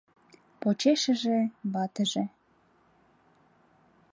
Почешыже — ватыже.